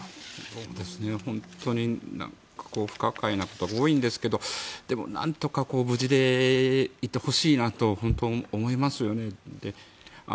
本当に不可解なことが多いんですけどでもなんとか無事でいてほしいなと本当に思いますよね。